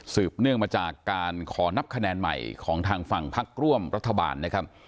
เนื่องมาจากการขอนับคะแนนใหม่ของทางฝั่งพักร่วมรัฐบาลนะครับ